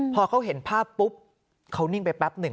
พอเขาเห็นภาพปุ๊บเขานิ่งไปแป๊บหนึ่ง